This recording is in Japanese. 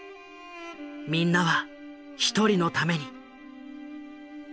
みんなは一人のために。